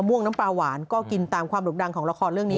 ม่วงน้ำปลาหวานก็กินตามความดุดันของละครเรื่องนี้